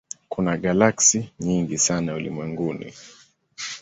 Kuna galaksi nyingi sana ulimwenguni.